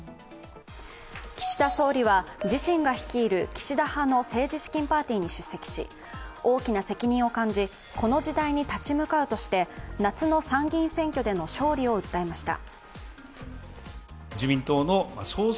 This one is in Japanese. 岸田総理は自身が率いる岸田派の政治資金パーティーに出席し大きな責任を感じこの時代に立ち向かうとして、夏の参議院選挙での勝利を訴えました。